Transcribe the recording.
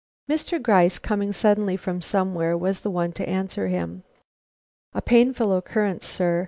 Mr. Gryce, coming suddenly from somewhere, was the one to answer him. "A painful occurrence, sir.